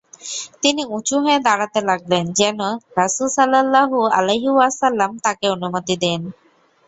তিনি উঁচু হয়ে দাঁড়াতে লাগলেন, যেন রাসূল সাল্লাল্লাহু আলাইহি ওয়াসাল্লাম তাঁকে অনুমতি দেন।